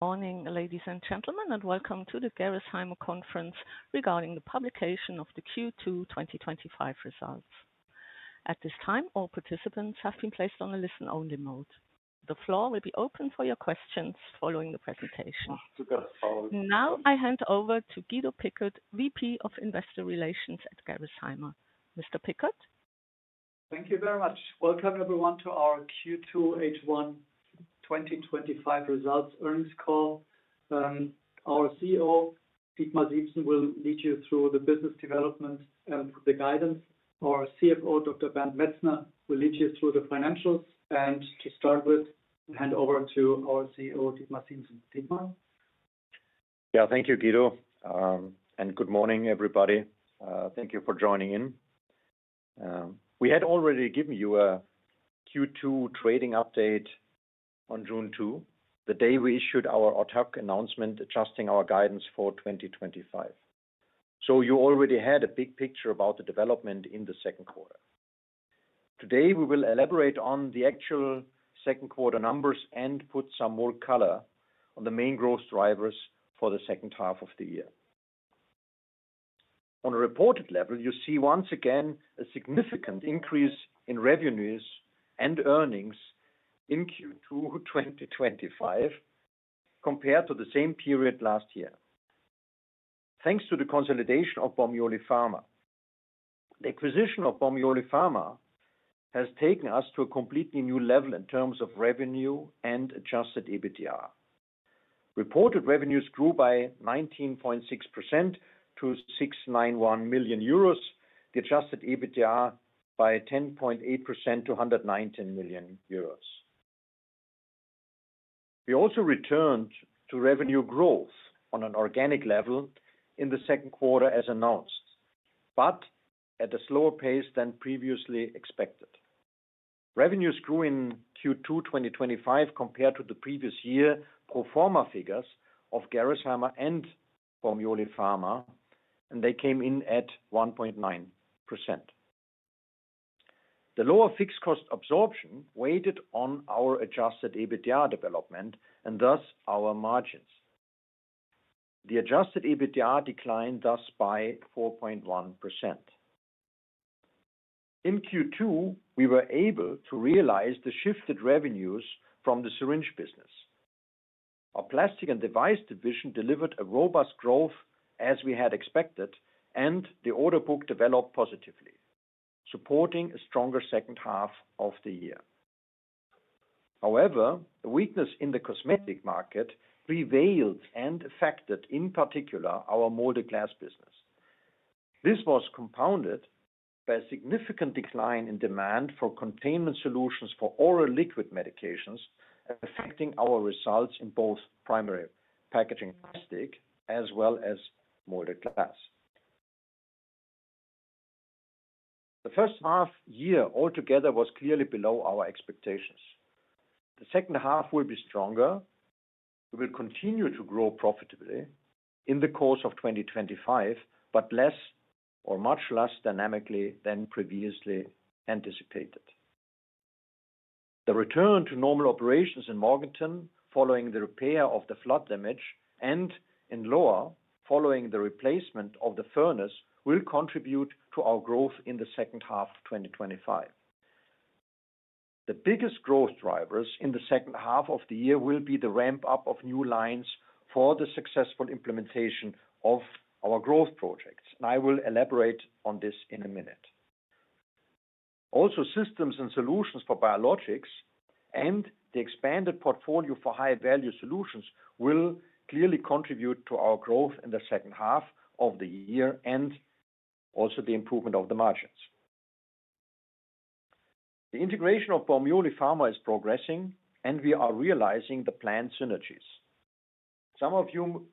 Morning, ladies and gentlemen, and welcome to the Gerresheimer conference regarding the publication of the Q2 2025 results. At this time, all participants have been placed on a listen-only mode. The floor will be open for your questions following the presentation. Now, I hand over to Guido Pickert, VP of Investor Relations at Gerresheimer. Mr. Pickert? Thank you very much. Welcome, everyone, to our Q2 H1 2025 results earnings call. Our CEO, Dietmar Siemssen, will lead you through the business development and the guidance, our CFO, Dr. Bernd Metzner, will lead you through the financials. To start with, I hand over to our CEO, Dr. Bernd Metzner. Yeah, thank you, Guido. Good morning, everybody. Thank you for joining in. We had already given you a Q2 trading update on June 2, the day we issued our announcement adjusting our guidance for 2025. You already had a big picture about the development in the second quarter. Today, we will elaborate on the actual second quarter numbers and put some more color on the main growth drivers for the second half of the year. On a reported level, you see once again a significant increase in revenues and earnings in Q2 2025 compared to the same period last year, thanks to the consolidation of Bormioli Pharma. The acquisition of Bormioli Pharma has taken us to a completely new level in terms of revenue and adjusted EBITDA. Reported revenues grew by 19.6% to 691 million euros, the adjusted EBITDA by 10.8% to 119 million euros. We also returned to revenue growth on an organic level in the second quarter as announced, but at a slower pace than previously expected. Revenues grew in Q2 2025 compared to the previous year pro forma figures of Gerresheimer and Bormioli Pharma, and they came in at 1.9%. The lower fixed cost absorption weighed on our adjusted EBITDA development and thus our margins. The adjusted EBITDA declined thus by 4.1%. In Q2, we were able to realize the shifted revenues from the syringe business. Our plastic and device division delivered robust growth as we had expected, and the order book developed positively, supporting a stronger second half of the year. However, the weakness in the cosmetic market prevailed and affected, in particular, our molded glass business. This was compounded by a significant decline in demand for containment solutions for oral liquid medications, affecting our results in both primary packaging plastic as well as molded glass. The first half year altogether was clearly below our expectations. The second half will be stronger. We will continue to grow profitably in the course of 2025, but less or much less dynamically than previously anticipated. The return to normal operations in Morganton following the repair of the flood damage and in Lohr following the replacement of the furnace will contribute to our growth in the second half of 2025. The biggest growth drivers in the second half of the year will be the ramp-up of new lines for the successful implementation of our growth projects, and I will elaborate on this in a minute. Also, systems and solutions for biologics and the expanded portfolio for high-value solutions will clearly contribute to our growth in the second half of the year and also the improvement of the margins. The integration of Bormioli Pharma is progressing, and we are realizing the planned synergies. Some of you,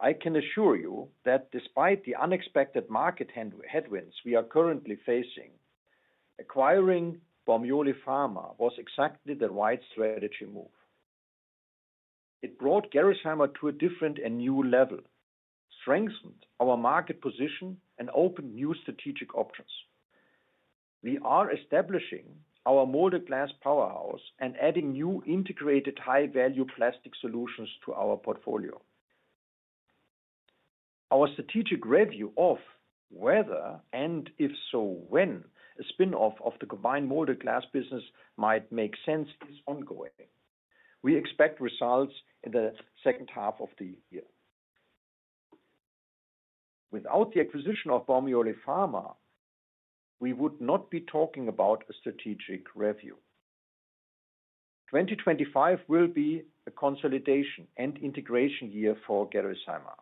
I can assure you that despite the unexpected market headwinds we are currently facing, acquiring Bormioli Pharma was exactly the right strategy move. It brought Gerresheimer to a different and new level, strengthened our market position, and opened new strategic options. We are establishing our molded glass powerhouse and adding new integrated high-value plastic solutions to our portfolio. Our strategic review of whether and if so when a spin-off of the combined molded glass business might make sense is ongoing. We expect results in the second half of the year. Without the acquisition of Bormioli Pharma, we would not be talking about a strategic review. 2025 will be a consolidation and integration year for Gerresheimer.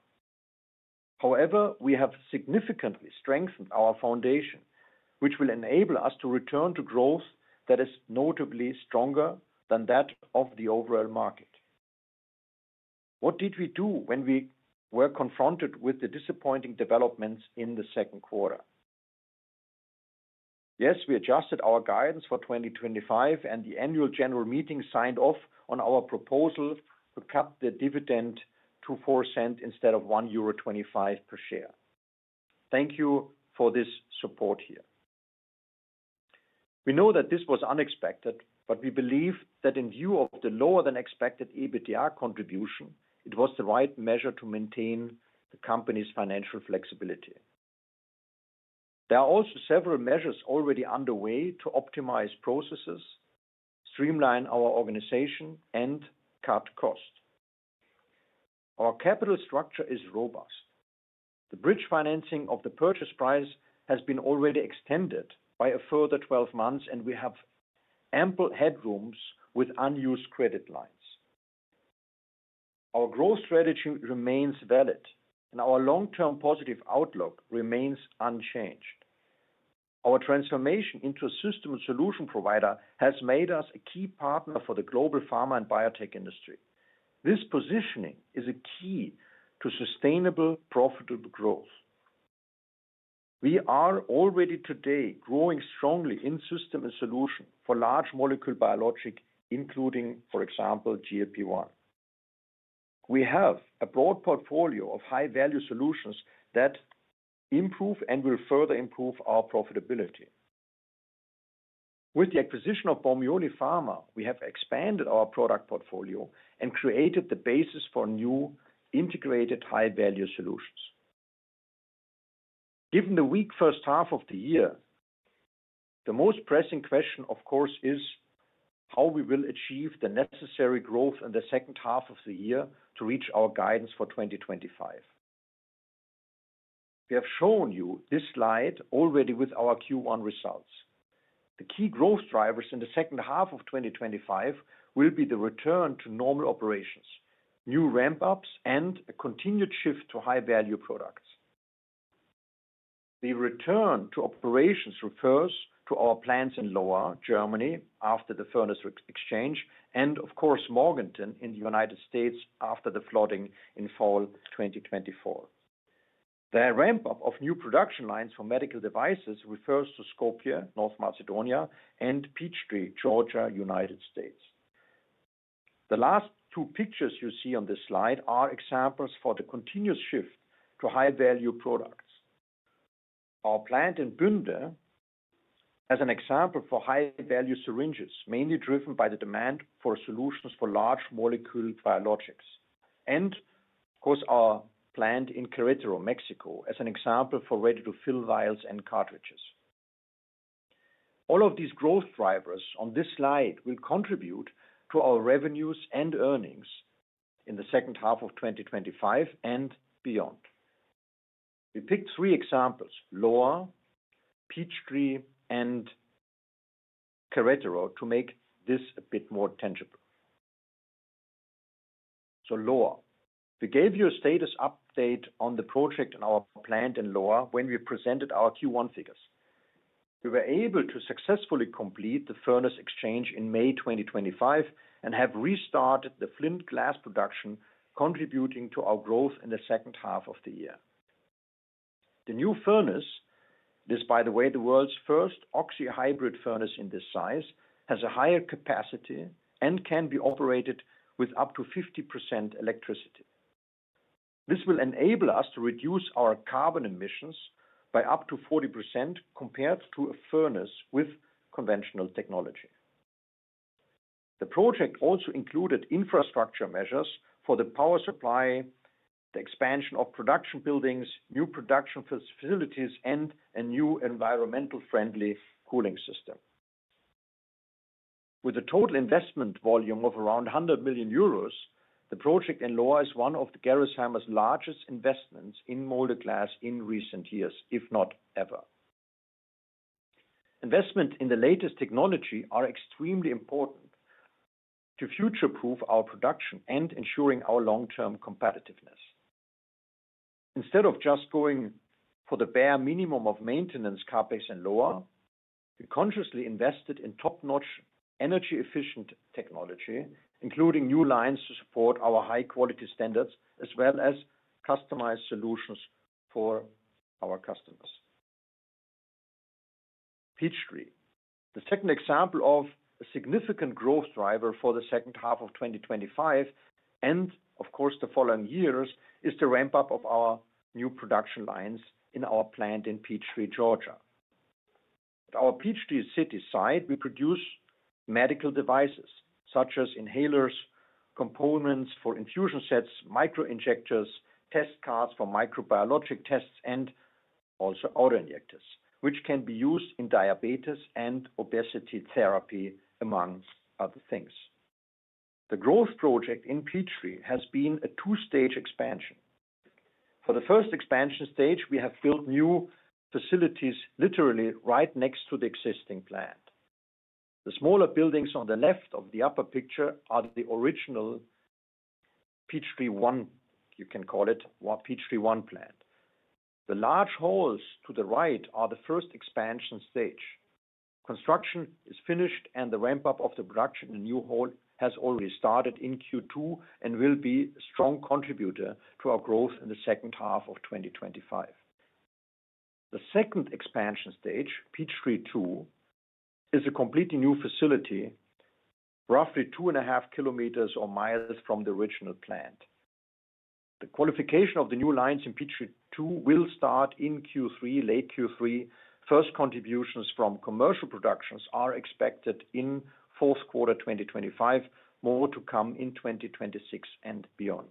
However, we have significantly strengthened our foundation, which will enable us to return to growth that is notably stronger than that of the overall market. What did we do when we were confronted with the disappointing developments in the second quarter? Yes, we adjusted our guidance for 2025, and the annual general meeting signed off on our proposal to cut the dividend to 0.04 instead of 1.25 euro per share. Thank you for this support here. We know that this was unexpected, but we believe that in view of the lower than expected EBITDA contribution, it was the right measure to maintain the company's financial flexibility. There are also several measures already underway to optimize processes, streamline our organization, and cut costs. Our capital structure is robust. The bridge financing of the purchase price has been already extended by a further 12 months, and we have ample headrooms with unused credit lines. Our growth strategy remains valid, and our long-term positive outlook remains unchanged. Our transformation into a system and solution provider has made us a key partner for the global pharma and biotech industry. This positioning is a key to sustainable, profitable growth. We are already today growing strongly in system and solution for large molecule biologic, including, for example, GLP-1. We have a broad portfolio of high-value solutions that improve and will further improve our profitability. With the acquisition of Bormioli Pharma, we have expanded our product portfolio and created the basis for new integrated high-value solutions. Given the weak first half of the year, the most pressing question, of course, is how we will achieve the necessary growth in the second half of the year to reach our guidance for 2025. We have shown you this slide already with our Q1 results. The key growth drivers in the second half of 2025 will be the return to normal operations, new ramp-ups, and a continued shift to high-value products. The return to operations refers to our plants in Lohr am Main, Germany, after the furnace exchange, and of course, Morganton in the United States after the flooding in fall 2024. The ramp-up of new production lines for medical devices refers to Skopje, North Macedonia, and Peachtree, Georgia, United States. The last two pictures you see on this slide are examples for the continuous shift to high-value products. Our plant in Bünde has an example for high-value syringes, mainly driven by the demand for solutions for large molecule biologics, and of course, our plant in Querétaro, Mexico, as an example for ready-to-fill vials and cartridges. All of these growth drivers on this slide will contribute to our revenues and earnings in the second half of 2025 and beyond. We picked three examples: Lohr, Peachtree, and Querétaro to make this a bit more tangible. Lohr, we gave you a status update on the project in our plant in Lohr when we presented our Q1 figures. We were able to successfully complete the furnace exchange in May 2025 and have restarted the flint glass production, contributing to our growth in the second half of the year. The new furnace, it is, by the way, the world's first oxy-hybrid furnace in this size, has a higher capacity and can be operated with up to 50% electricity. This will enable us to reduce our carbon emissions by up to 40% compared to a furnace with conventional technology. The project also included infrastructure measures for the power supply, the expansion of production buildings, new production facilities, and a new environmentally friendly cooling system. With a total investment volume of around 100 million euros, the project in Lohr is one of Gerresheimer's largest investments in molded glass in recent years, if not ever. Investment in the latest technology is extremely important to future-proof our production and ensuring our long-term competitiveness. Instead of just going for the bare minimum of maintenance, CapEx in Lohr, we consciously invested in top-notch energy-efficient technology, including new lines to support our high-quality standards as well as customized solutions for our customers. Peachtree, the second example of a significant growth driver for the second half of 2025 and of course the following years, is the ramp-up of our new production lines in our plant in Peachtree, Georgia. At our Peachtree City site, we produce medical devices such as inhalers, components for infusion sets, microinjectors, test cards for microbiologic tests, and also autoinjectors, which can be used in diabetes and obesity therapy, among other things. The growth project in Peachtree has been a two-stage expansion. For the first expansion stage, we have built new facilities literally right next to the existing plant. The smaller buildings on the left of the upper picture are the original Peachtree One, you can call it Peachtree One plant. The large halls to the right are the first expansion stage. Construction is finished, and the ramp-up of the production in the new hall has already started in Q2 and will be a strong contributor to our growth in the second half of 2025. The second expansion stage, Peachtree Two, is a completely new facility, roughly 2.5 km or miles from the original plant. The qualification of the new lines in Peachtree Two will start in Q3, late Q3. First contributions from commercial productions are expected in fourth quarter 2025, more to come in 2026 and beyond.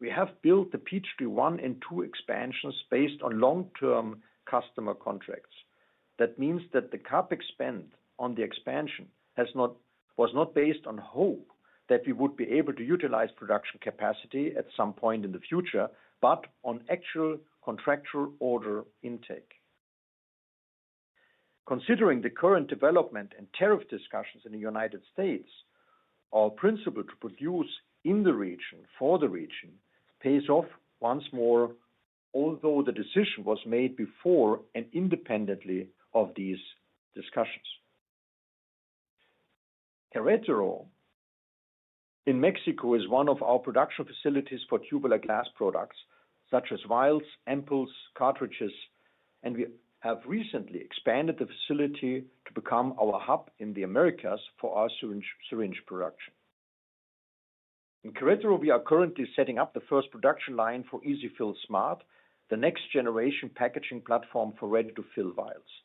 We have built the Peachtree One and Two expansions based on long-term customer contracts. That means that the CapEx spend on the expansion was not based on hope that we would be able to utilize production capacity at some point in the future, but on actual contractual order intake. Considering the current development and tariff discussions in the United States, our principle to produce in the region for the region pays off once more, although the decision was made before and independently of these discussions. Querétaro in Mexico is one of our production facilities for tubular glass products such as vials, ampoules, cartridges, and we have recently expanded the facility to become our hub in the Americas for our syringe production. In Querétaro, we are currently setting up the first production line for EZ-fill Smart, the next-generation packaging platform for ready-to-fill vials.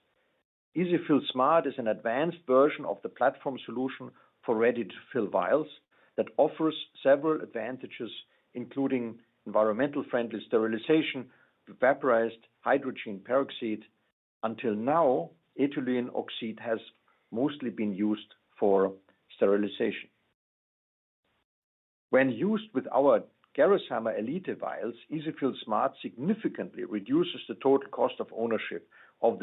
EZ-fill Smart is an advanced version of the platform solution for ready-to-fill vials that offers several advantages, including environmentally-friendly sterilization with vaporized hydrogen peroxide. Until now, ethylene oxide has mostly been used for sterilization. When used with our Gerresheimer Elite vials, EZ-fill Smart significantly reduces the total cost of ownership and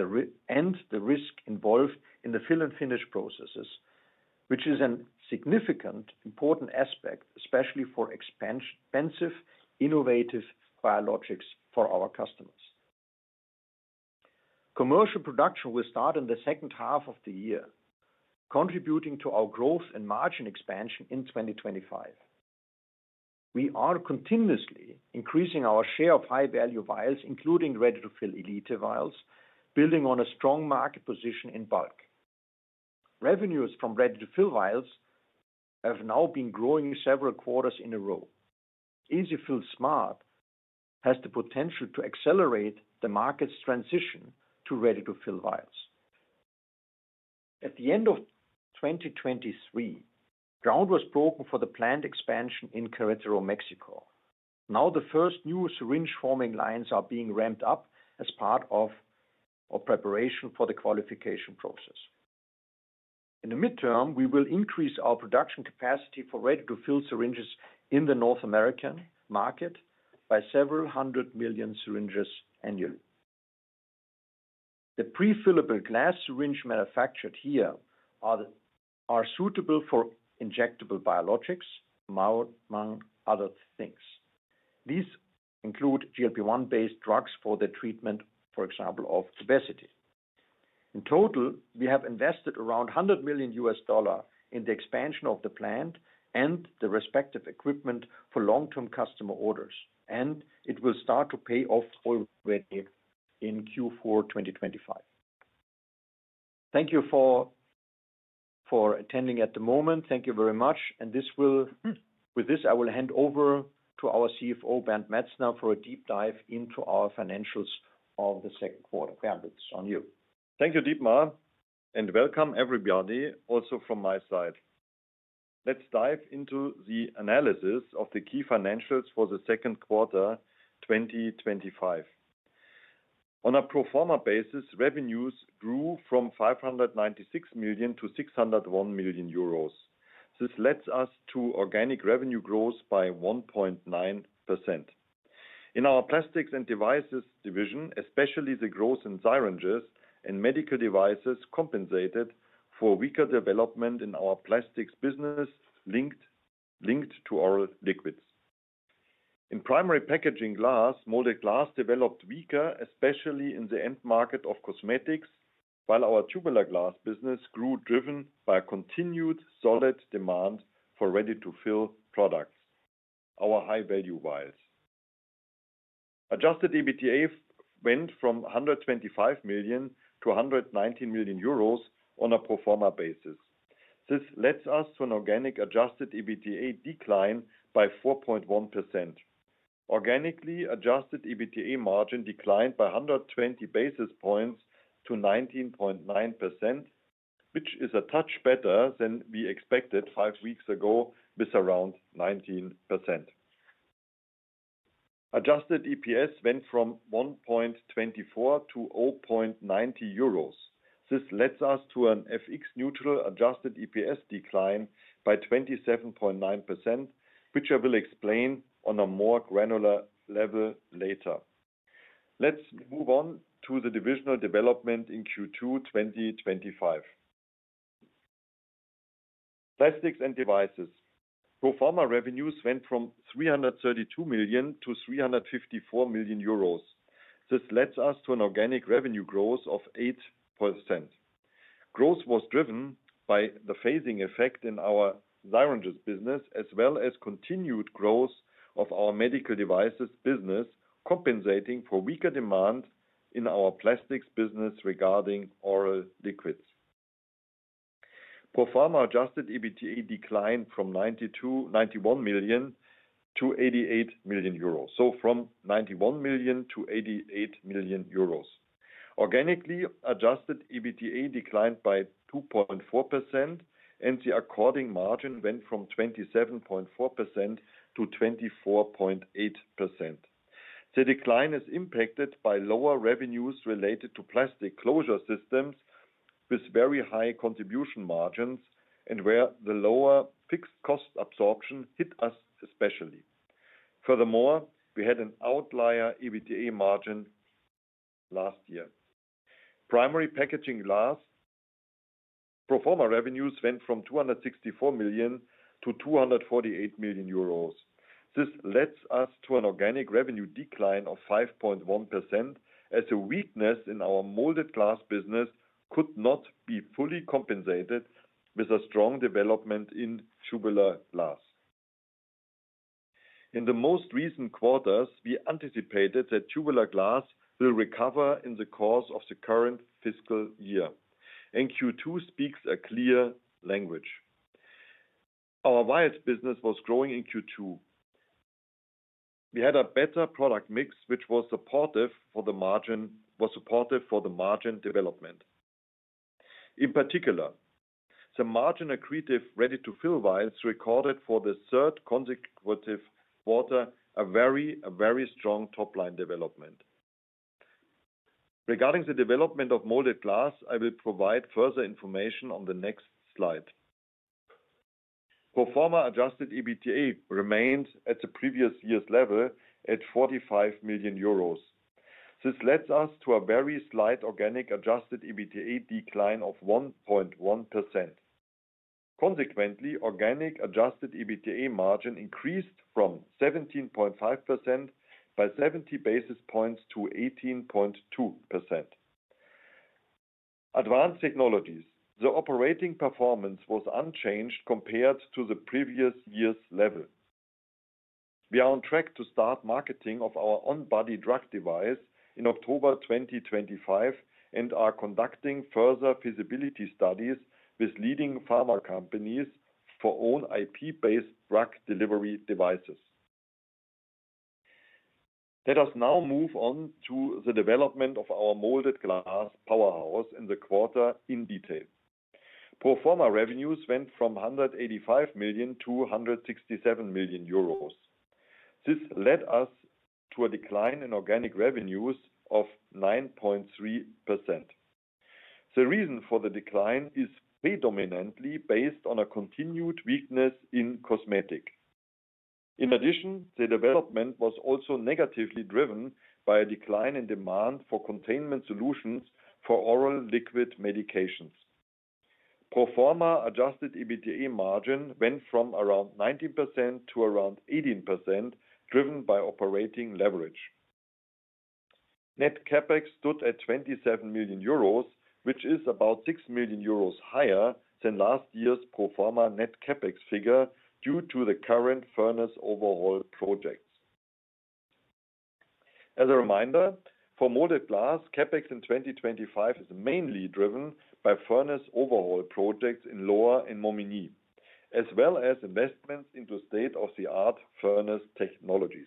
the risk involved in the fill and finish processes, which is a significant important aspect, especially for expensive, innovative biologics for our customers. Commercial production will start in the second half of the year, contributing to our growth and margin expansion in 2025. We are continuously increasing our share of high-value vials, including ready-to-fill Elite vials, building on a strong market position in bulk. Revenues from ready-to-fill vials have now been growing several quarters in a row. EZ-fill Smart has the potential to accelerate the market's transition to ready-to-fill vials. At the end of 2023, ground was broken for the planned expansion in Querétaro, Mexico. Now the first new syringe-forming lines are being ramped up as part of our preparation for the qualification process. In the midterm, we will increase our production capacity for ready-to-fill syringes in the North American market by several hundred million syringes annually. The pre-fillable glass syringes manufactured here are suitable for injectable biologics, among other things. These include GLP-1-based drugs for the treatment, for example, of obesity. In total, we have invested around $100 million in the expansion of the plant and the respective equipment for long-term customer orders, and it will start to pay off already in Q4 2025. Thank you for attending at the moment. Thank you very much. With this, I will hand over to our CFO, Bernd Metzner, for a deep dive into our financials of the second quarter. Bernd, it's on you. Thank you, Dietmar, and welcome, everybody, also from my side. Let's dive into the analysis of the key financials for the second quarter 2025. On a pro forma basis, revenues grew from 596 million to 601 million euros. This leads us to organic revenue growth by 1.9%. In our Plastics and Devices division, especially the growth in syringes and medical devices compensated for weaker development in our plastics business linked to oral liquids. In primary packaging glass, molded glass developed weaker, especially in the end market of cosmetics, while our tubular glass business grew, driven by a continued solid demand for ready-to-fill products, our high-value vials. Adjusted EBITDA went from 125 million to 119 million euros on a pro forma basis. This leads us to an organic adjusted EBITDA decline by 4.1%. Organically adjusted EBITDA margin declined by 120 basis points to 19.9%, which is a touch better than we expected five weeks ago with around 19%. Adjusted EPS went from 1.24 to 0.90 euros. This leads us to an FX neutral adjusted EPS decline by 27.9%, which I will explain on a more granular level later. Let's move on to the divisional development in Q2 2025. Plastics and devices. Pro forma revenues went from 332 million to 354 million euros. This leads us to an organic revenue growth of 8%. Growth was driven by the phasing effect in our syringes business, as well as continued growth of our medical devices business, compensating for weaker demand in our plastics business regarding oral liquids. Pro forma adjusted EBITDA declined from 91 million to 88 million euros. Organically adjusted EBITDA declined by 2.4%, and the according margin went from 27.4% to 24.8%. The decline is impacted by lower revenues related to plastic closure systems with very high contribution margins and where the lower fixed cost absorption hit us especially. Furthermore, we had an outlier EBITDA margin last year. Primary packaging glass. Pro forma revenues went from 264 million to 248 million euros. This leads us to an organic revenue decline of 5.1%, as a weakness in our molded glass business could not be fully compensated with a strong development in tubular glass. In the most recent quarters, we anticipated that tubular glass will recover in the course of the current fiscal year, and Q2 speaks a clear language. Our vials business was growing in Q2. We had a better product mix, which was supportive for the margin development. In particular, the margin accretive ready-to-fill vials recorded for the third consecutive quarter a very, very strong top-line development. Regarding the development of molded glass, I will provide further information on the next slide. Pro forma adjusted EBITDA remained at the previous year's level at 45 million euros. This leads us to a very slight organic adjusted EBITDA decline of 1.1%. Consequently, organic adjusted EBITDA margin increased from 17.5% by 70 basis points to 18.2%. Advanced technologies. The operating performance was unchanged compared to the previous year's level. We are on track to start marketing of our on-body drug device in October 2025 and are conducting further feasibility studies with leading pharma companies for own IP-based drug delivery devices. Let us now move on to the development of our molded glass powerhouse in the quarter in detail. Pro forma revenues went from 185 million to 167 million euros. This led us to a decline in organic revenues of 9.3%. The reason for the decline is predominantly based on a continued weakness in cosmetics. In addition, the development was also negatively driven by a decline in demand for containment solutions for oral liquid medications. Pro forma adjusted EBITDA margin went from around 19% to around 18%, driven by operating leverage. Net CapEx stood at 27 million euros, which is about 6 million euros higher than last year's pro forma net CapEx figure due to the current furnace overhaul projects. As a reminder, for molded glass, CapEx in 2025 is mainly driven by furnace overhaul projects in Lohr and Momignies, as well as investments into state-of-the-art furnace technologies.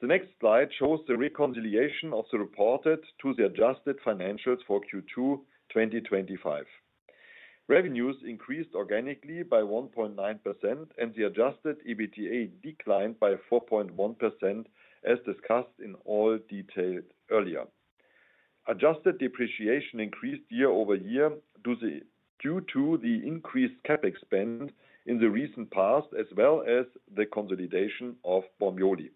The next slide shows the reconciliation of the reported to the adjusted financials for Q2 2025. Revenues increased organically by 1.9%, and the adjusted EBITDA declined by 4.1% as discussed in all detail earlier. Adjusted depreciation increased year-over-year due to the increased CapEx spend in the recent past, as well as the consolidation of Bormioli.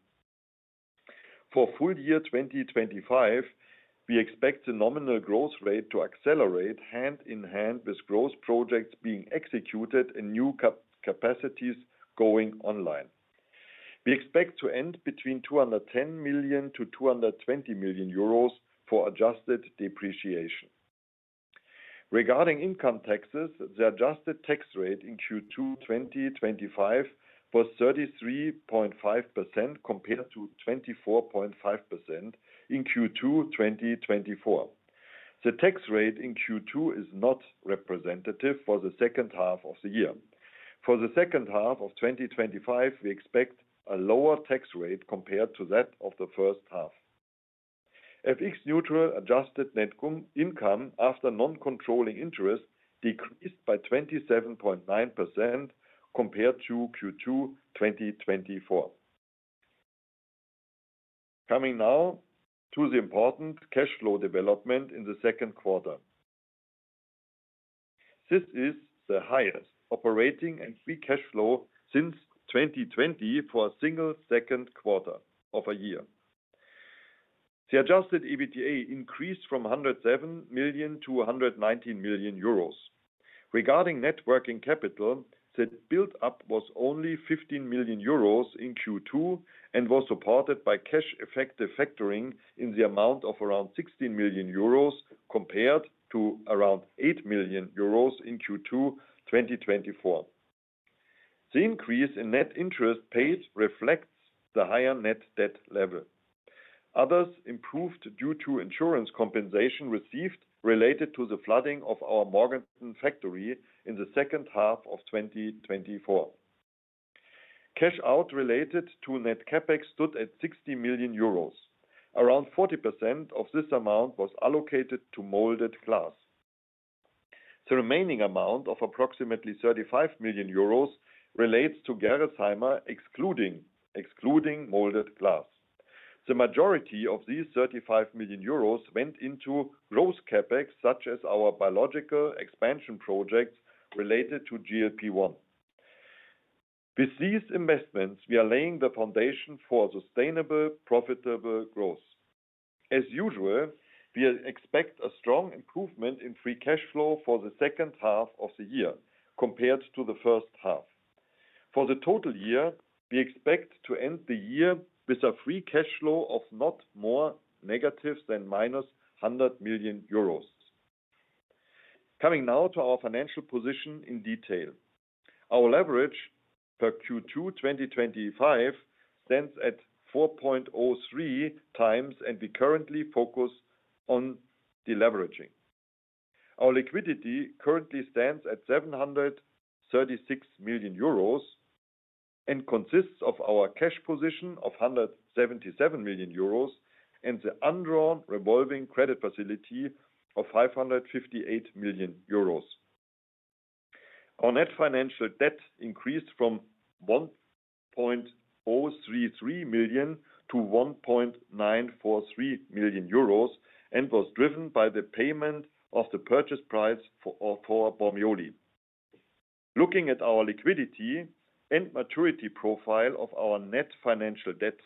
For full year 2025, we expect the nominal growth rate to accelerate hand in hand with growth projects being executed and new capacities going online. We expect to end between 210 million-220 million euros for adjusted depreciation. Regarding income taxes, the adjusted tax rate in Q2 2025 was 33.5% compared to 24.5% in Q2 2024. The tax rate in Q2 is not representative for the second half of the year. For the second half of 2025, we expect a lower tax rate compared to that of the first half. FX neutral adjusted net income after non-controlling interest decreased by 27.9% compared to Q2 2024. Coming now to the important cash flow development in the second quarter. This is the highest operating and free cash flow since 2020 for a single second quarter of a year. The adjusted EBITDA increased from 107 million to 119 million euros. Regarding networking capital, the build-up was only 15 million euros in Q2 and was supported by cash effective factoring in the amount of around 16 million euros compared to around 8 million euros in Q2 2024. The increase in net interest paid reflects the higher net debt level. Others improved due to insurance compensation received related to the flooding of our Morganton factory in the second half of 2024. Cash out related to net CapEx stood at 60 million euros. Around 40% of this amount was allocated to molded glass. The remaining amount of approximately 35 million euros relates to Gerresheimer, excluding molded glass. The majority of these 35 million euros went into growth CapEx, such as our biological expansion projects related to GLP-1. With these investments, we are laying the foundation for sustainable, profitable growth. As usual, we expect a strong improvement in free cash flow for the second half of the year compared to the first half. For the total year, we expect to end the year with a free cash flow of not more negative than minus 100 million euros. Coming now to our financial position in detail. Our leverage per Q2 2025 stands at 4.03x, and we currently focus on deleveraging. Our liquidity currently stands at 736 million euros and consists of our cash position of 177 million euros and the undrawn revolving credit facility of 558 million euros. Our net financial debt increased from 1.033 million to 1.943 million euros and was driven by the payment of the purchase price for Bormioli. Looking at our liquidity and maturity profile of our net financial debt,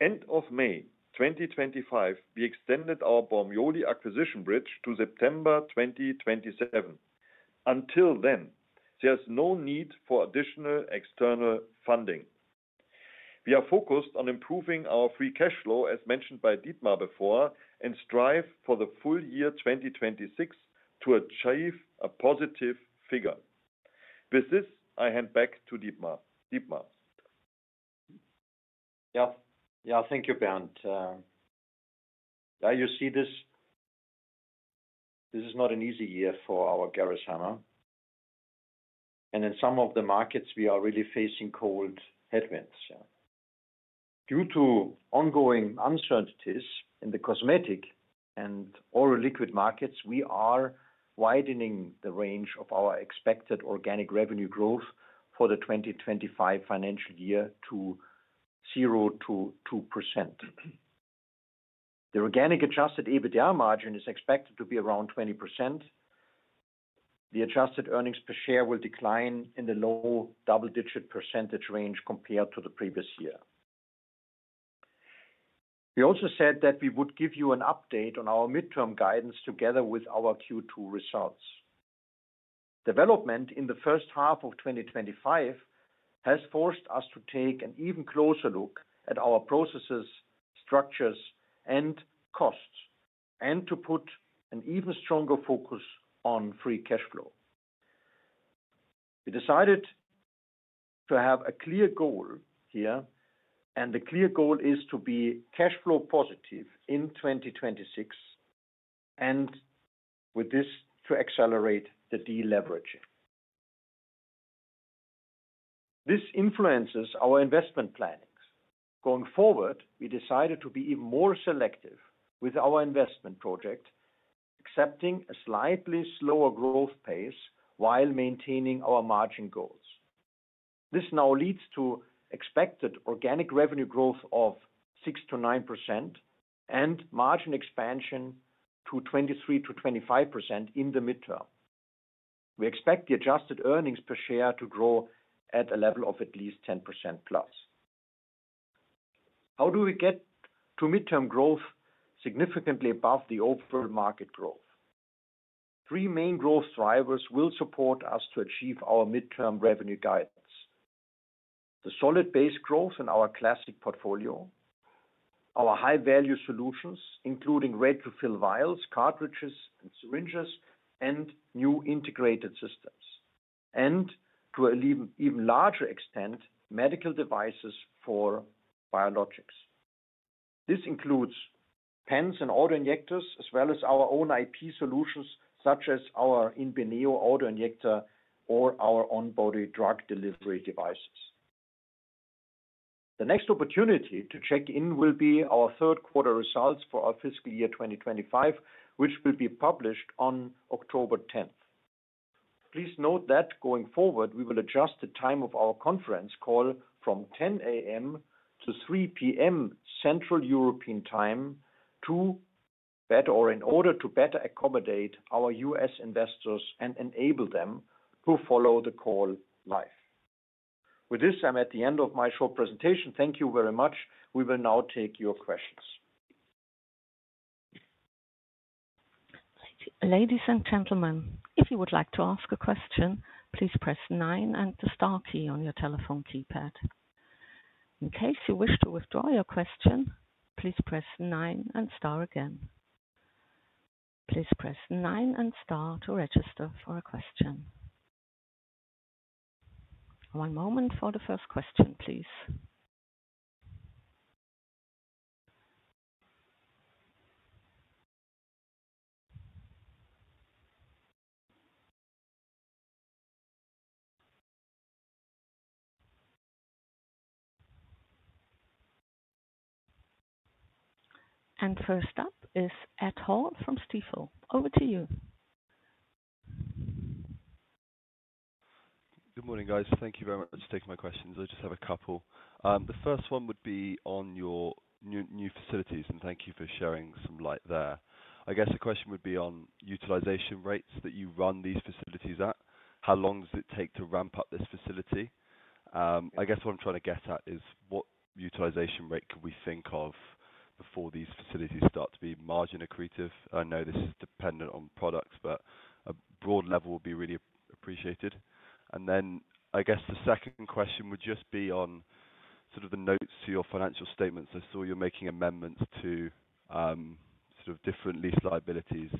end of May 2025, we extended our Bormioli acquisition bridge to September 2027. Until then, there's no need for additional external funding. We are focused on improving our free cash flow, as mentioned by Dietmar before, and strive for the full year 2026 to achieve a positive figure. With this, I hand back to Dietmar. Yeah, thank you, Bernd. You see, this is not an easy year for our Gerresheimer. In some of the markets, we are really facing cold headwinds. Due to ongoing uncertainties in the cosmetic and oral liquid markets, we are widening the range of our expected organic revenue growth for the 2025 financial year to 0%-2%. The organic adjusted EBITDA margin is expected to be around 20%. The adjusted earnings per share will decline in the low double-digit percentage range compared to the previous year. We also said that we would give you an update on our midterm guidance together with our Q2 results. Development in the first half of 2025 has forced us to take an even closer look at our processes, structures, and costs, and to put an even stronger focus on free cash flow. We decided to have a clear goal here, and the clear goal is to be cash flow positive in 2026, and with this to accelerate the deleveraging. This influences our investment planning. Going forward, we decided to be even more selective with our investment project, accepting a slightly slower growth pace while maintaining our margin goals. This now leads to expected organic revenue growth of 6%-9% and margin expansion to 23%-25% in the midterm. We expect the adjusted earnings per share to grow at a level of at least 10%+. How do we get to midterm growth significantly above the overall market growth? Three main growth drivers will support us to achieve our midterm revenue guidance: the solid base growth in our classic portfolio, our high-value solutions, including ready-to-fill vials, cartridges, and syringes, and new integrated systems, and to an even larger extent, medical devices for biologics. This includes pens and autoinjectors, as well as our own IP solutions, such as our Inbeneo autoinjector or our on-body drug delivery devices. The next opportunity to check in will be our third quarter results for our fiscal year 2025, which will be published on October 10th. Please note that going forward, we will adjust the time of our conference call from 10:00 A.M. to 3:00 P.M. Central European Time in order to better accommodate our U.S. investors and enable them to follow the call live. With this, I'm at the end of my short presentation. Thank you very much. We will now take your questions. Ladies and gentlemen, if you would like to ask a question, please press nine and the star key on your telephone keypad. In case you wish to withdraw your question, please press nine and star again. Please press nine and star to register for a question. One moment for the first question, please. First up is Ed Hall from Stifel. Over to you. Good morning, guys. Thank you very much for taking my questions. I just have a couple. The first one would be on your new facilities, and thank you for sharing some light there. I guess the question would be on utilization rates that you run these facilities at. How long does it take to ramp up this facility? I guess what I'm trying to get at is what utilization rate could we think of before these facilities start to be margin accretive? I know this is dependent on products, but a broad level would be really appreciated. I guess the second question would just be on sort of the notes to your financial statements. I saw you're making amendments to, sort of different lease liabilities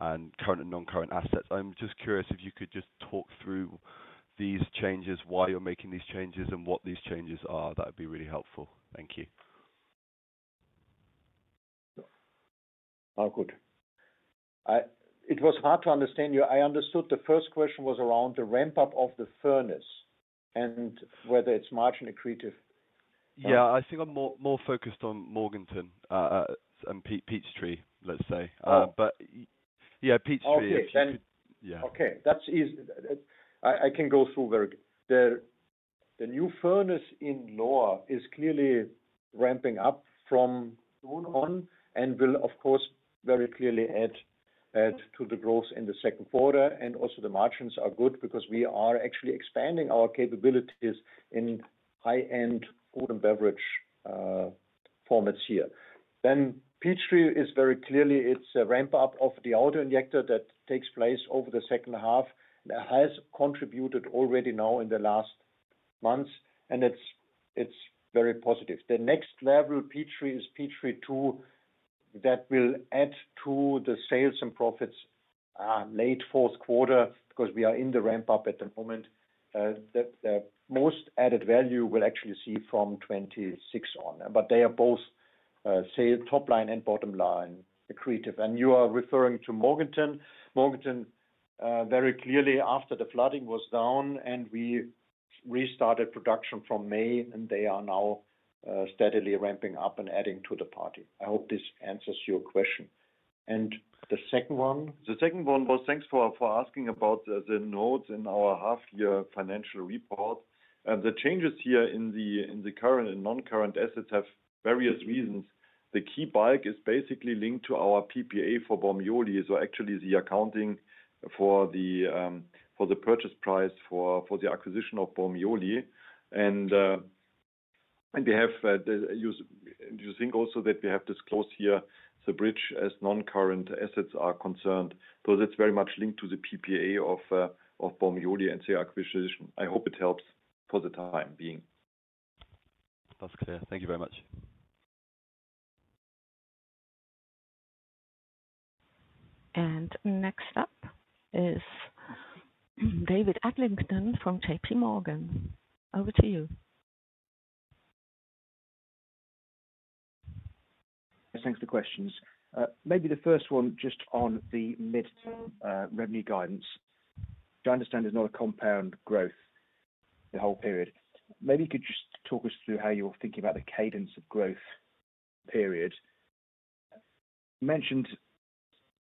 and current and non-current assets. I'm just curious if you could just talk through these changes, why you're making these changes, and what these changes are. That would be really helpful. Thank you. Oh, good. It was hard to understand you. I understood the first question was around the ramp-up of the furnace and whether it's margin accretive. Yeah, I think I'm more focused on Morganton and Peachtree, let's say. Peachtree. Okay, that's easy. I can go through very quickly. The new furnace in Lohr is clearly ramping up from dawn on and will, of course, very clearly add to the growth in the second quarter. Also, the margins are good because we are actually expanding our capabilities in high-end food and beverage formats here. Peachtree is very clearly, it's a ramp-up of the autoinjector that takes place over the second half and has contributed already now in the last months, and it's very positive. The next level Peachtree is Peachtree Two. That will add to the sales and profits, late fourth quarter because we are in the ramp-up at the moment. The most added value we'll actually see from 2026 on. They are both, sale top line and bottom line accretive. You are referring to Morganton. Morganton, very clearly after the flooding was down and we restarted production from May, and they are now, steadily ramping up and adding to the party. I hope this answers your question. The second one? The second one was thanks for asking about the notes in our half-year financial report. The changes here in the current and non-current assets have various reasons. The key point is basically linked to our PPA for Bormioli. Actually, the accounting for the purchase price for the acquisition of Bormioli. Do you think also that we have disclosed here the bridge as non-current assets are concerned? It's very much linked to the PPA of Bormioli and the acquisition. I hope it helps for the time being. That's clear. Thank you very much. Next up is David Adlington from JPMorgan. Over to you. Thanks for the questions. Maybe the first one just on the midterm revenue guidance. I understand there's not a compound growth the whole period. Maybe you could just talk us through how you're thinking about the cadence of growth period. You mentioned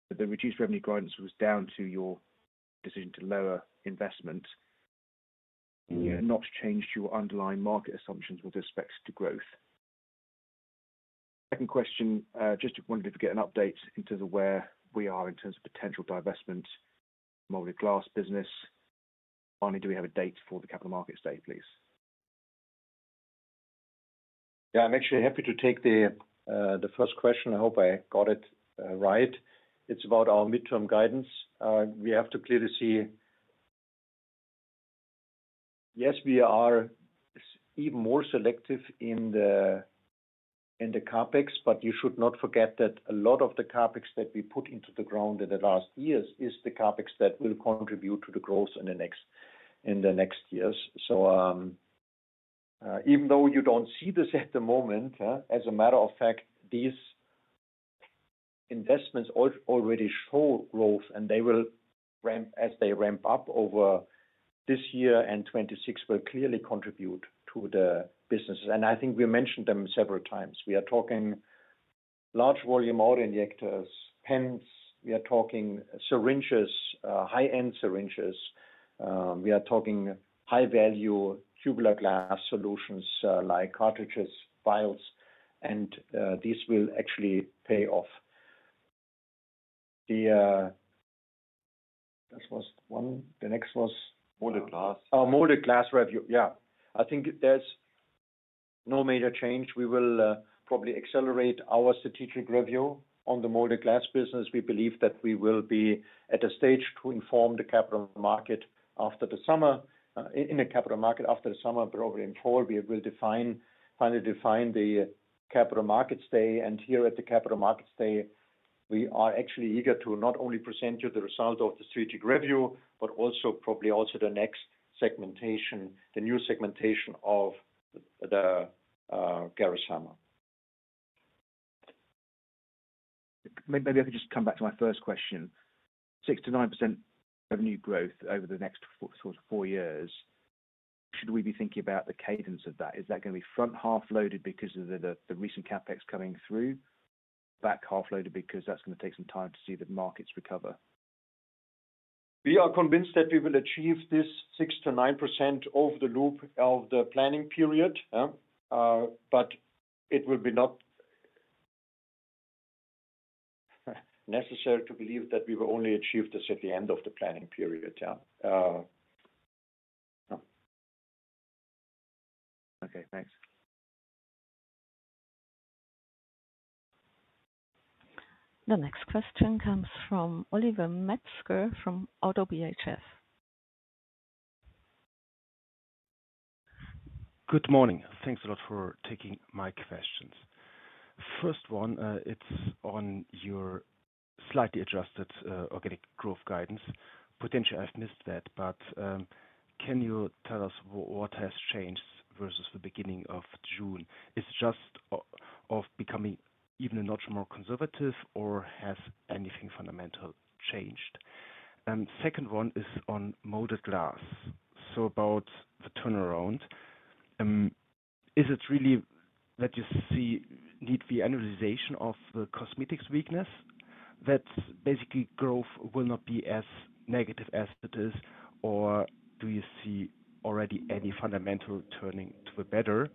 that the reduced revenue guidance was down to your decision to lower investment and you have not changed your underlying market assumptions with respect to growth. Second question, just wondered if you get an update into where we are in terms of potential divestment from all the glass business. Finally, do we have a date for the capital markets date, please? Yeah, I'm actually happy to take the first question. I hope I got it right. It's about our midterm guidance. We have to clearly see, yes, we are even more selective in the CapEx, but you should not forget that a lot of the CapEx that we put into the ground in the last years is the CapEx that will contribute to the growth in the next years. Even though you don't see this at the moment, as a matter of fact, these investments already show growth and they will ramp as they ramp up over this year, and 2026 will clearly contribute to the business. I think we mentioned them several times. We are talking large volume autoinjectors, pens. We are talking syringes, high-end syringes. We are talking high-value tubular glass solutions like cartridges, vials, and these will actually pay off. The next was? Molded glass. Oh, molded glass review. Yeah. I think there's no major change. We will probably accelerate our strategic review on the molded glass business. We believe that we will be at a stage to inform the capital market after the summer. In the capital market after the summer, probably in fall, we will finally define the capital markets day. At the capital markets day, we are actually eager to not only present you the result of the strategic review, but also probably also the next segmentation, the new segmentation of Gerresheimer. Maybe I could just come back to my first question. 6%-9% revenue growth over the next sort of four years. Should we be thinking about the cadence of that? Is that going to be front half loaded because of the recent CapEx coming through, back half loaded because that's going to take some time to see the markets recover? We are convinced that we will achieve this 6%-9% over the loop of the planning period. It will not be necessary to believe that we will only achieve this at the end of the planning period. Okay, thanks. The next question comes from Oliver Metzger from ODDO BHF. Good morning. Thanks a lot for taking my questions. First one, it's on your slightly adjusted organic growth guidance. Potentially, I've missed that, but can you tell us what has changed versus the beginning of June? Is it just of becoming even a notch more conservative, or has anything fundamental changed? The second one is on molded glass. About the turnaround, is it really that you see need for the analyzation of the cosmetics weakness, that basically growth will not be as negative as it is, or do you see already any fundamental turning to a better?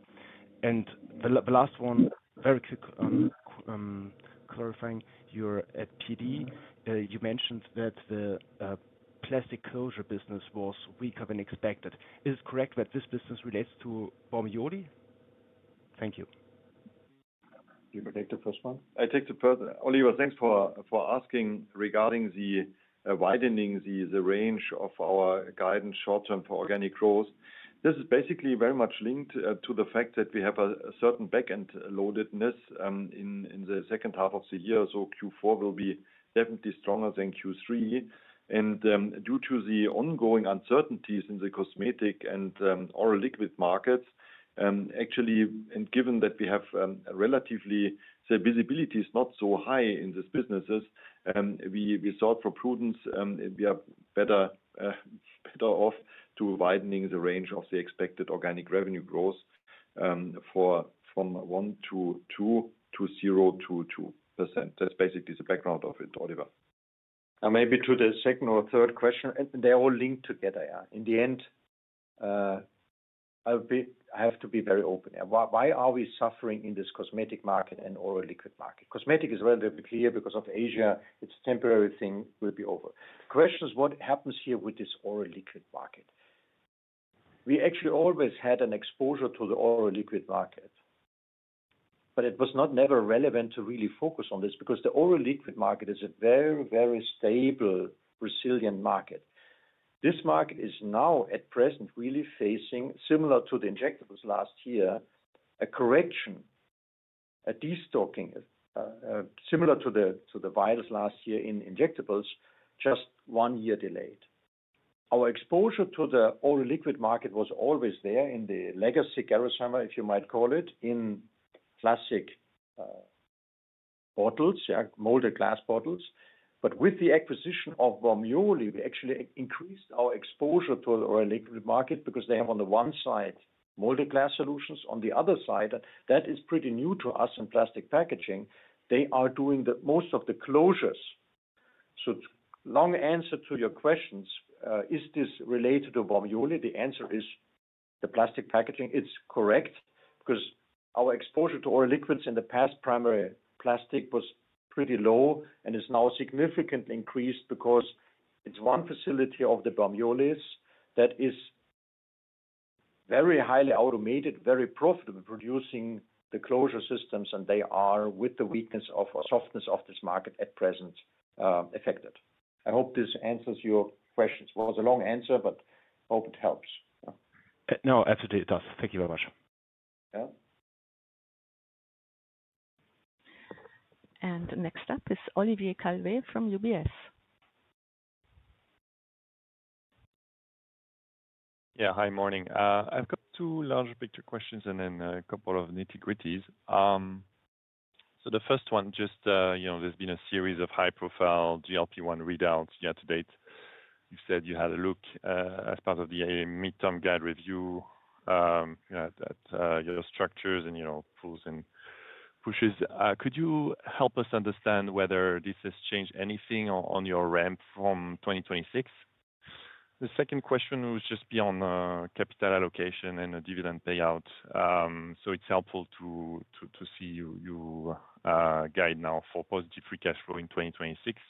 The last one, very quick clarifying, you're at PD. You mentioned that the plastic closure business was weaker than expected. Is it correct that this business relates to Bormioli? Thank you. You take the first one. I take the first. Oliver, thanks for asking regarding widening the range of our guidance short term for organic growth. This is basically very much linked to the fact that we have a certain backend loadedness in the second half of the year. Q4 will be definitely stronger than Q3. Due to the ongoing uncertainties in the cosmetic and oral liquid markets, actually, and given that we have relatively the visibility is not so high in these businesses, we thought for prudence, we are better off widening the range of the expected organic revenue growth from 1%-2% to 0%-2%. That's basically the background of it, Oliver. Maybe to the second or third question, and they're all linked together. Yeah, in the end, I have to be very open. Why are we suffering in this cosmetic market and oral liquid market? Cosmetic is relatively clear because of Asia. It's a temporary thing. It will be over. The question is, what happens here with this oral liquid market? We actually always had an exposure to the oral liquid market, but it was not never relevant to really focus on this because the oral liquid market is a very, very stable, resilient market. This market is now at present really facing, similar to the injectables last year, a correction, a destocking, similar to the virus last year in injectables, just one year delayed. Our exposure to the oral liquid market was always there in the legacy Gerresheimer, if you might call it, in classic bottles, molded glass bottles. With the acquisition of Bormioli, we actually increased our exposure to the oral liquid market because they have on the one side molded glass solutions. On the other side, that is pretty new to us in plastic packaging. They are doing most of the closures. Long answer to your questions, is this related to Bormioli? The answer is the plastic packaging. It's correct because our exposure to oral liquids in the past primary plastic was pretty low and is now significantly increased because it's one facility of Bormioli that is very highly automated, very profitable, producing the closure systems, and they are, with the weakness of softness of this market at present, affected. I hope this answers your questions. It was a long answer, but I hope it helps. No, absolutely, it does. Thank you very much. Yeah. Next up is Olivier Calvet from UBS. Yeah, hi, morning. I've got two larger picture questions and then a couple of nitty-gritty. The first one, there's been a series of high-profile GLP-1 readouts year to date. You said you had a look as part of the midterm guide review, that your structures and pulls and pushes. Could you help us understand whether this has changed anything on your ramp from 2026? The second question was just beyond capital allocation and a dividend payout. It's helpful to see you guide now for positive free cash flow in 2026.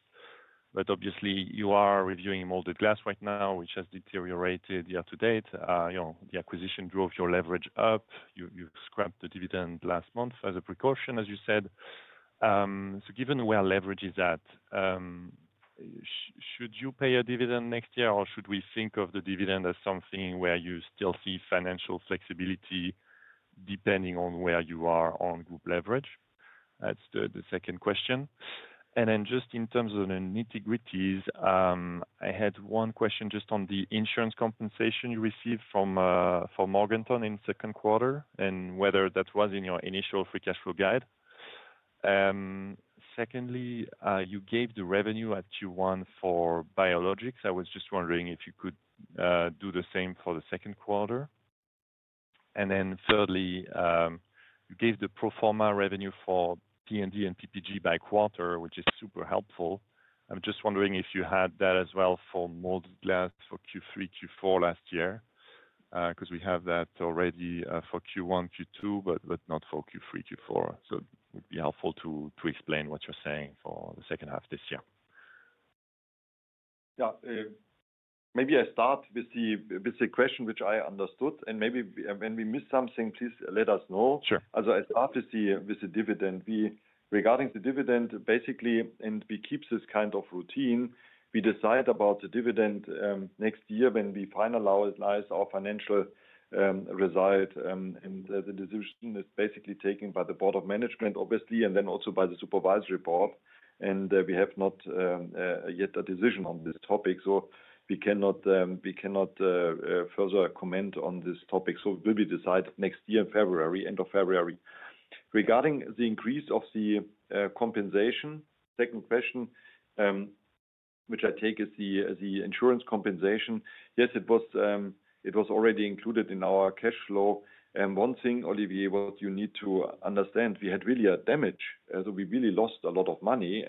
Obviously, you are reviewing molded glass right now, which has deteriorated year to date. The acquisition drove your leverage up. You scrapped the dividend last month as a precaution, as you said. Given where leverage is at, should you pay a dividend next year, or should we think of the dividend as something where you still see financial flexibility depending on where you are on group leverage? That's the second question. In terms of the nitty-gritties, I had one question just on the insurance compensation you received from Morganton in the second quarter and whether that was in your initial free cash flow guide. Secondly, you gave the revenue at Q1 for biologics. I was just wondering if you could do the same for the second quarter. Thirdly, you gave the pro forma revenue for P&D and PPG by quarter, which is super helpful. I'm just wondering if you had that as well for molded glass for Q3, Q4 last year, because we have that already for Q1, Q2, but not for Q3, Q4. It would be helpful to explain what you're saying for the second half this year. Yeah, maybe I start with the question, which I understood. If we miss something, please let us know. I start with the dividend. Regarding the dividend, basically, we keep this kind of routine. We decide about the dividend next year when we finalize our financial result. The decision is basically taken by the Board of Management, obviously, and then also by the Supervisory Board. We have not yet a decision on this topic. We cannot further comment on this topic. It will be decided next year in February, end of February. Regarding the increase of the compensation, second question, which I take is the insurance compensation. Yes, it was already included in our cash flow. One thing, Olivier, what you need to understand, we had really a damage. We really lost a lot of money.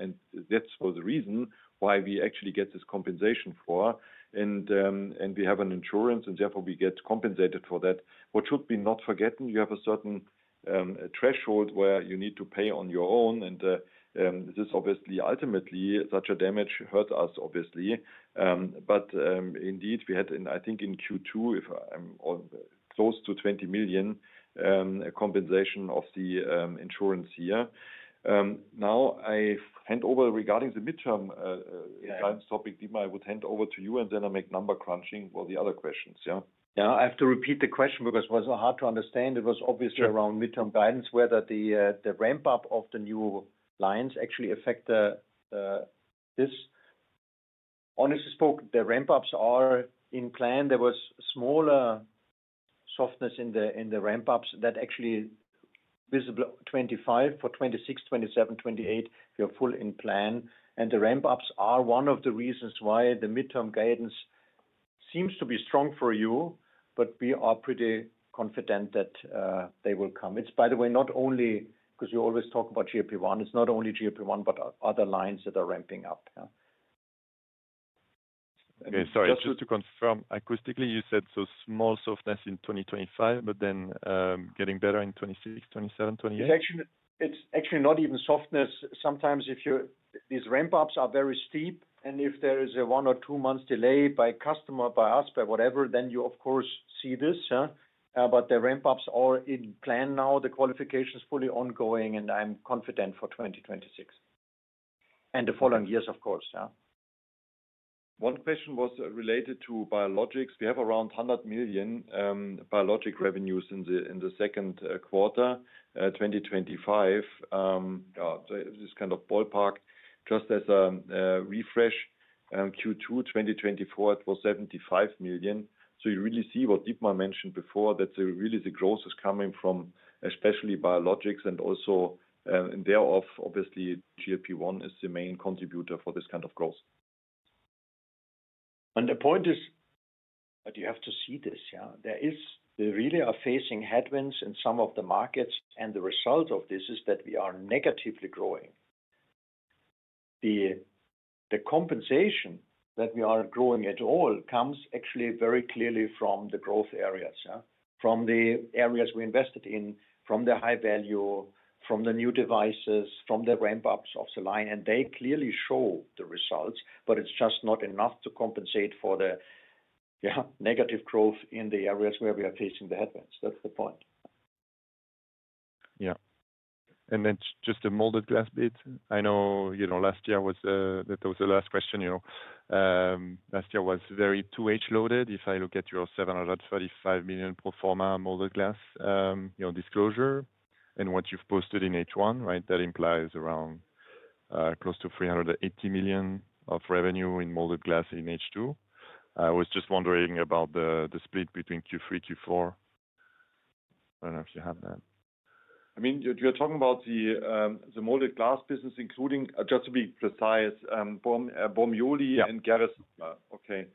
That was the reason why we actually get this compensation for. We have an insurance, and therefore, we get compensated for that. What should not be forgotten, you have a certain threshold where you need to pay on your own. This is obviously, ultimately, such a damage hurts us, obviously. Indeed, we had, I think, in Q2, if I'm all close to 20 million compensation of the insurance here. Now, I hand over regarding the midterm guidance topic. Guidance, I would hand over to you, and then I make number crunching for the other questions. Yeah. Yeah, I have to repeat the question because it was so hard to understand. It was obviously around midterm guidance, whether the ramp-up of the new lines actually affects this. Honestly spoken, the ramp-ups are in plan. There was a smaller softness in the ramp-ups that actually is visible. 2025, for 2026, 2027, 2028, we are fully in plan. The ramp-ups are one of the reasons why the midterm guidance seems to be strong for you, but we are pretty confident that they will come. It's, by the way, not only because you always talk about GLP-1. It's not only GLP-1, but other lines that are ramping up. Yeah. Sorry, just to confirm, acoustically, you said small softness in 2025, but then getting better in 2026, 2027, 2028? It's actually not even softness. Sometimes if you see these ramp-ups are very steep, and if there is a one or two months delay by customer, by us, by whatever, then you, of course, see this. The ramp-ups are in plan now. The qualification is fully ongoing, and I'm confident for 2026 and the following years, of course. One question was related to biologics. We have around 100 million biologic revenues in the second quarter, 2025. Yeah, this kind of ballpark, just as a refresh, Q2 2024, it was 75 million. You really see what Dietmar mentioned before, that really the growth is coming from especially biologics and also thereof. Obviously, GLP-1 is the main contributor for this kind of growth. The point is, you have to see this. There is really a facing headwinds in some of the markets, and the result of this is that we are negatively growing. The compensation that we are growing at all comes actually very clearly from the growth areas, from the areas we invested in, from the high value, from the new devices, from the ramp-ups of the line. They clearly show the results, but it's just not enough to compensate for the negative growth in the areas where we are facing the headwinds. That's the point. Yeah. Just the molded glass bit. I know last year was the last question. Last year was very two-H loaded. If I look at your 735 million pro forma molded glass disclosure and what you've posted in H1, that implies around close to 380 million of revenue in molded glass in H2. I was just wondering about the split between Q3 and Q4. I don't know if you have that. You're talking about the molded glass business, including, just to be precise, Bormioli and Gerresheimer. Okay.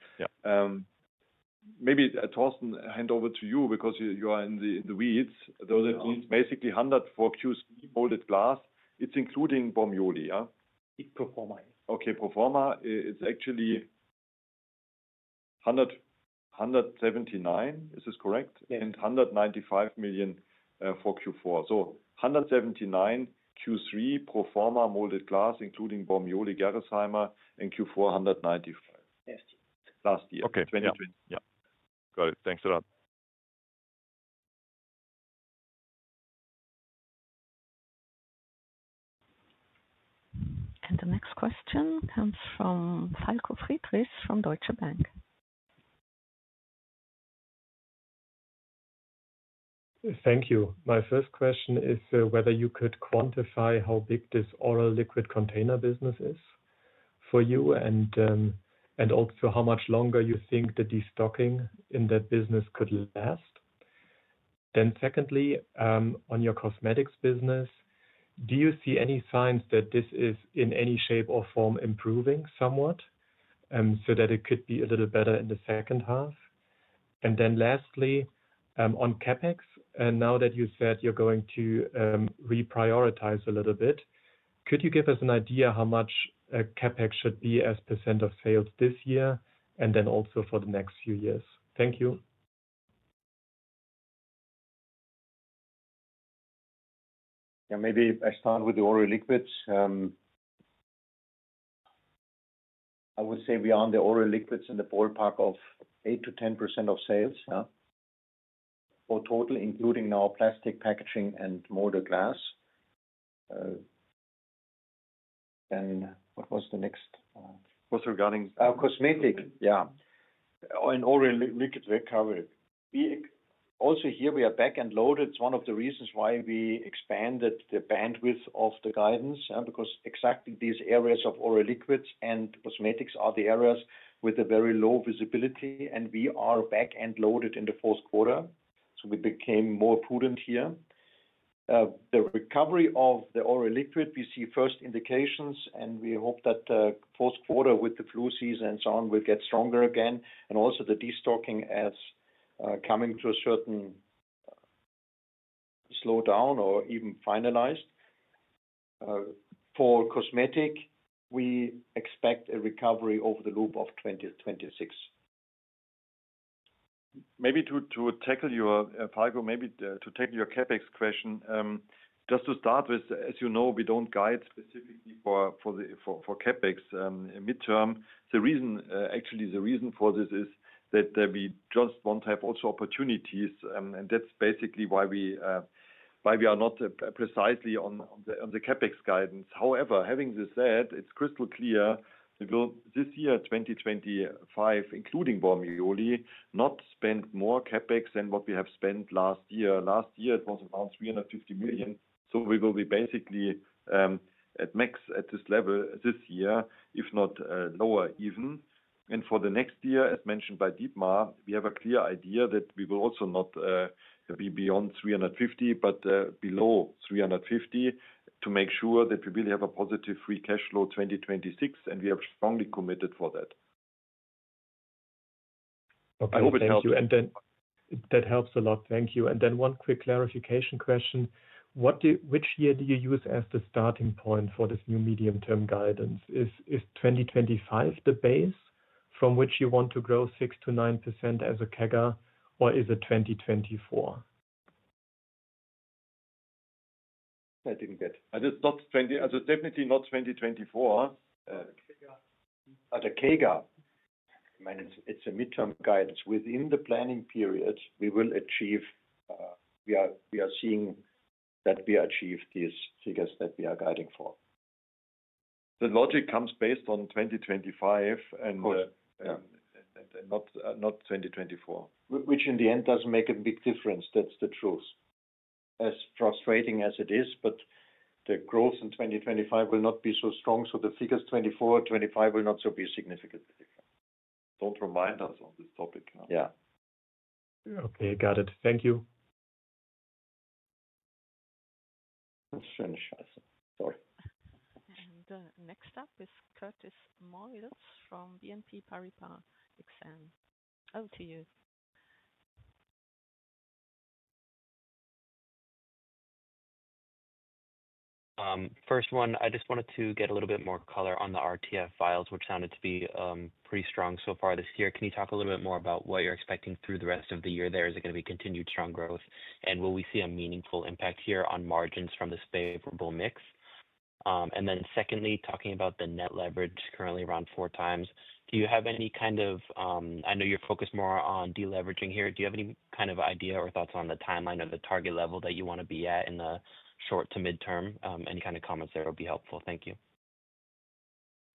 Maybe [Torsten], hand over to you because you are in the weeds. It's basically 100 million for Q3 molded glass. It's including Bormioli, yeah? It's pro forma, yes. Okay, pro forma. It's actually 179 million, is this correct? Yes. 195 million for Q4. 179 million Q3 pro forma molded glass, including Bormioli, Gerresheimer, and Q4 190 million. Last year. Last year, okay. Yeah. Got it. Thanks a lot. The next question comes from Falko Friedrichs from Deutsche Bank. Thank you. My first question is whether you could quantify how big this oral liquid container business is for you and also how much longer you think the destocking in that business could last. Secondly, on your cosmetics business, do you see any signs that this is in any shape or form improving somewhat so that it could be a little better in the second half? Lastly, on CapEx, and now that you said you're going to reprioritize a little bit, could you give us an idea how much CapEx should be as percentage of sales this year and also for the next few years? Thank you. Yeah, maybe I start with the oral liquids. I would say we are on the oral liquids in the ballpark of 8%-10% of sales, or total, including now plastic packaging and molded glass. What was the next? Was regarding? Cosmetic, yeah. Oral liquid recovery. We also here, we are back and loaded. It's one of the reasons why we expanded the bandwidth of the guidance, because exactly these areas of oral liquids and cosmetics are the areas with very low visibility. We are back and loaded in the fourth quarter. We became more prudent here. The recovery of the oral liquid, we see first indications, and we hope that the fourth quarter with the flu season and so on will get stronger again. Also, the destocking is coming to a certain slowdown or even finalized. For cosmetics, we expect a recovery over the loop of 2026. Maybe to tackle your CapEx question, just to start with, as you know, we don't guide specifically for CapEx midterm. Actually, the reason for this is that we just want to have also opportunities, and that's basically why we are not precisely on the CapEx guidance. However, having this said, it's crystal clear. We will, this year, 2025, including Bormioli, not spend more CapEx than what we have spent last year. Last year, it was around 350 million. We will be basically at max at this level this year, if not lower even. For the next year, as mentioned by Dietmar, we have a clear idea that we will also not be beyond 350 million, but below 350 million to make sure that we really have a positive free cash flow 2026. We are strongly committed for that. I hope it helps you. That helps a lot. Thank you. One quick clarification question. Which year do you use as the starting point for this new midterm guidance? Is 2025 the base from which you want to grow 6%-9% as a CAGR, or is it 2024? I didn't get. It's definitely not 2024. The CAGR, I mean, it's a midterm guidance. Within the planning period, we will achieve, we are seeing that we achieve these figures that we are guiding for. The logic comes based on 2025 and not 2024, which in the end doesn't make a big difference. That's the truth. As frustrating as it is, the growth in 2025 will not be so strong. The figures 2024 or 2025 will not be significantly different. Don't remind us on this topic. Yeah. Okay, got it. Thank you. Let's finish. I said, sorry. Next up is Curtis Moiles from BNP Paribas Exane. Over to you. First one, I just wanted to get a little bit more color on the ready-to-fill vials, which sounded to be pretty strong so far this year. Can you talk a little bit more about what you're expecting through the rest of the year there? Is it going to be continued strong growth? Will we see a meaningful impact here on margins from this favorable mix? Secondly, talking about the net leverage currently around 4x, do you have any kind of, I know you're focused more on deleveraging here, do you have any kind of idea or thoughts on the timeline or the target level that you want to be at in the short to midterm? Any kind of comments there would be helpful. Thank you.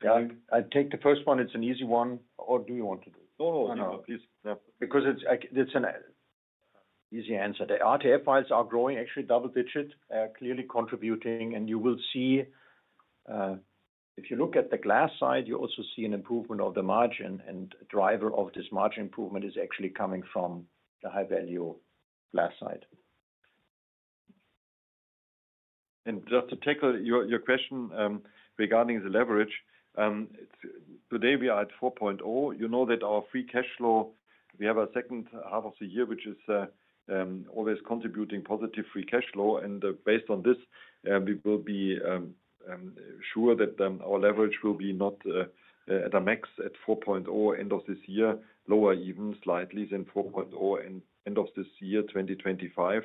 Yeah, I take the first one. It's an easy one. Do you want to do it? No, no, no, please. Because it's an easy answer. The ready-to-fill vials are growing, actually double digit, clearly contributing. If you look at the glass side, you also see an improvement of the margin. A driver of this margin improvement is actually coming from the high-value glass side. Just to tackle your question regarding the leverage, today we are at 4.0x. You know that our free cash flow, we have a second half of the year, which is always contributing positive free cash flow. Based on this, we will be sure that our leverage will not be at a max at 4.0x end of this year, lower even slightly than 4.0x end of this year, 2025.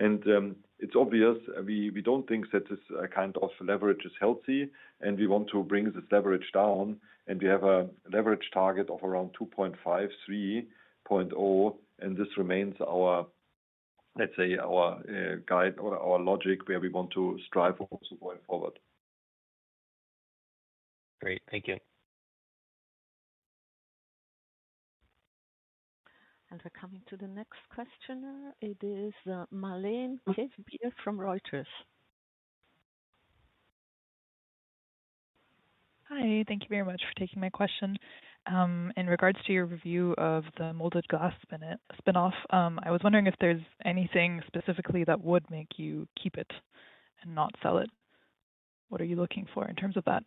It is obvious, we don't think that this kind of leverage is healthy. We want to bring this leverage down. We have a leverage target of around 2.5x–3.0x. This remains our, let's say, our guide or our logic where we want to strive for going forward. Great. Thank you. We're coming to the next questioner. It is Marleen Kaesebier from Reuters. Hi. Thank you very much for taking my question. In regards to your review of the molded glass spin-off, I was wondering if there's anything specifically that would make you keep it and not sell it. What are you looking for in terms of that?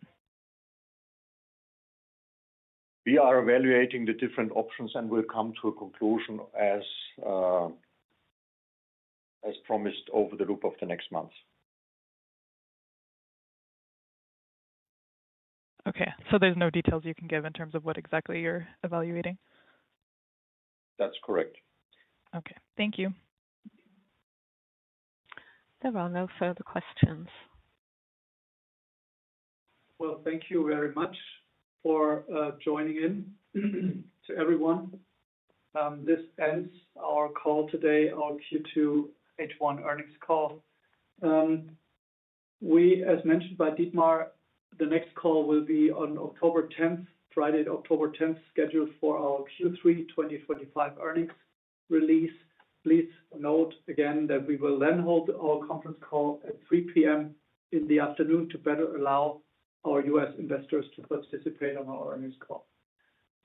We are evaluating the different options and will come to a conclusion as promised over the course of the next month. Okay. There's no details you can give in terms of what exactly you're evaluating? That's correct. Okay. Thank you. There are no further questions. Thank you very much for joining in to everyone. This ends our call today, our Q2 H1 earnings call. As mentioned by Dietmar, the next call will be on Friday, October 10th, scheduled for our Q3 2025 earnings release. Please note again that we will then hold our conference call at 3:00 P.M. in the afternoon to better allow our U.S. investors to participate on our earnings call.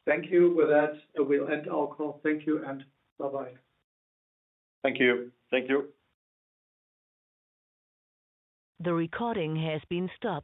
Thank you. With that, we'll end our call. Thank you and bye-bye. Thank you. Thank you. The recording has been stopped.